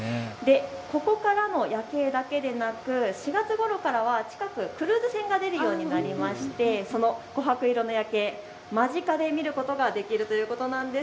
ここからも夜景だけではなく４月ごろからは近くクルーズ船が出るようになりましてそのこはく色の夜景、間近で見ることができるということなんです。